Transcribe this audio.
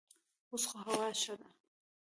اوس خو هوا ښه ده.